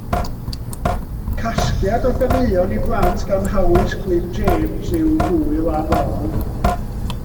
Casgliad o ganeuon i blant gan Hawys Glyn James yw Hwyl a Mawl.